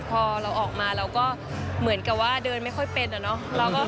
พอเราออกมาเราก็เหมือนกับว่าเดินไม่ค่อยเป็นอะเนาะ